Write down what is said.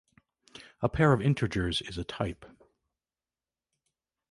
A "pair of integers" is a type.